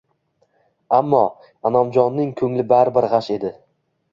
Ammo, Inomjonning ko`ngli baribir g`ash edi